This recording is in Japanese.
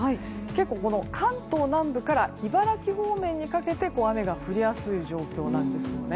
結構、関東南部から茨城方面にかけて雨が降りやすい状況です。